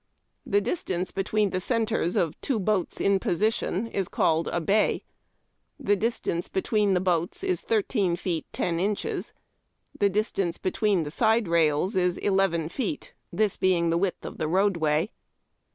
The distance between the centres of two boats in position is trailed a hay. The distance between the boats is thirteen feet ten inches. The distance between the side rails is eleven feet, tliis being the width of the roadway.